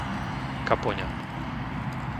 Kapoňa